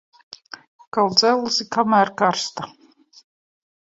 Kal dzelzi, kamēr karsta.